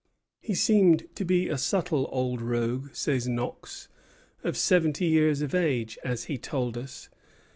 "He seemed to be a subtle old rogue," says Knox, "of seventy years of age, as he told us.